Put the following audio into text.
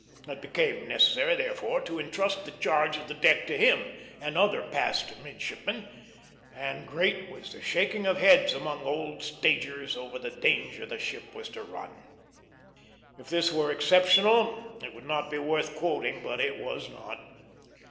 It became necessary, therefore, to intrust the charge of the deck to him and other "passed" midshipmen, and great was the shaking of heads among old stagers over the danger that ship was to run. If this were exceptional, it would not be worth quoting, but it was not.